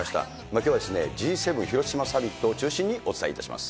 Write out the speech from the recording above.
きょうはＧ７広島サミットを中心にお伝えいたします。